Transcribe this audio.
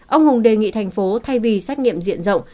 ông hùng đề nghị thành phố thay vì xét nghiệm diện rộng